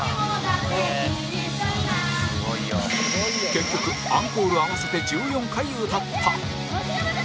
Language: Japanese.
結局アンコール合わせて１４回歌った